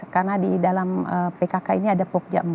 karena di dalam pkk ini ada pogja empat